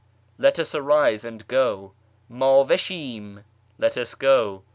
let us arise and go ; Qiid ve sMm, let us go.